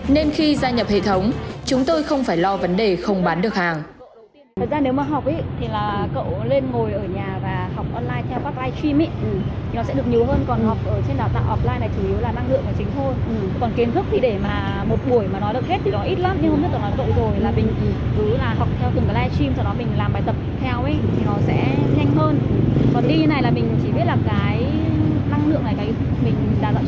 nên khi gia nhập hệ thống chúng tôi không phải lo vấn đề không bán được hàng